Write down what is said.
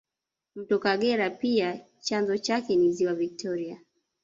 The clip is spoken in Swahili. Mto Kagera pia chanzo chake ni ziwa Viktoria